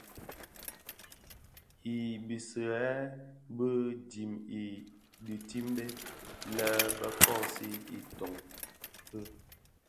I bisiigherè bi dhim a dhitimbèn lè bè kōōsi itoň ki.